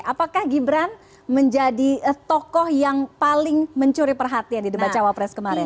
apakah gibran menjadi tokoh yang paling mencuri perhatian di debat cawapres kemarin